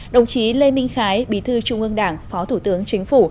đồng chí lê minh khái bí thư trung ương đảng phó thủ tướng chính phủ